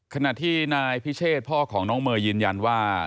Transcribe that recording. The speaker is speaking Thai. ขณะที่นายพิเชษพ่อของน้องเมย์ยืนยันว่า